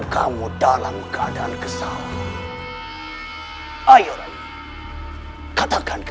pertama yang siap biro